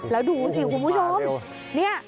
แล้วดูสิคุณผู้ชม